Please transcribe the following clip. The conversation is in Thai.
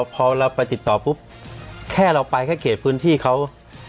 พอเราไปติดต่อปุ๊บแค่เราไปแค่เขตพื้นที่เขา